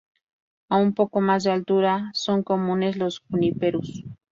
A un poco más de altura, son comunes los "Juniperus".